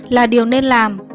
là điều nên làm